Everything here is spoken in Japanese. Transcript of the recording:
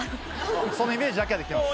そのイメージだけはできてます。